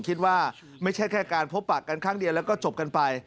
คิดว่าไม่ใช่แค่การพบปะกันครั้งเดียวแล้วก็จบกันไป